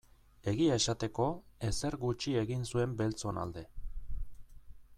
Egia esateko, ezer gutxi egin zuen beltzon alde.